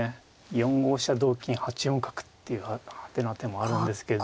４五飛車同金８四角っていう派手な手もあるんですけど。